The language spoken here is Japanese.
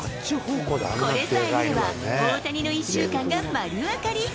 これさえ見れば、大谷の１週間が丸わかり。